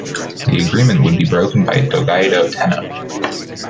The agreement would be broken by Go-Daigo Tennō.